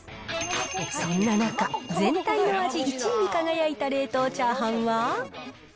そんな中、全体の味１位に輝いた冷凍チャーハンは。